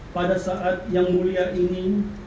pada saat yang mulia ini